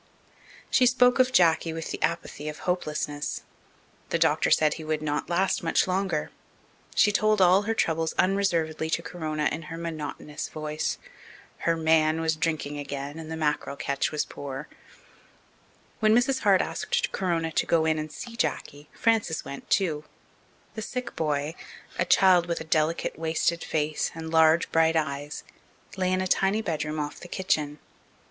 She spoke of Jacky with the apathy of hopelessness. The doctor said he would not last much longer. She told all her troubles unreservedly to Corona in her monotonous voice. Her "man" was drinking again and the mackerel catch was poor. When Mrs. Hart asked Corona to go in and see Jacky, Frances went too. The sick boy, a child with a delicate, wasted face and large, bright eyes, lay in a tiny bedroom off the kitchen.